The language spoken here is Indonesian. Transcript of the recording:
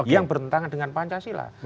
yang bertentangan dengan pancasila